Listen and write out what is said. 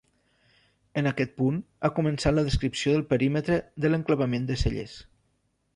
En aquest punt ha començat la descripció del perímetre de l'enclavament de Cellers.